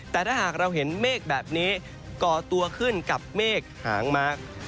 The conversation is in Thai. แต่ถ้าหากเราเห็นเมฆแบบนี้ก่อตัวขึ้นกับเมฆหางมาร์ค